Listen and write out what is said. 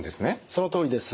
そのとおりです。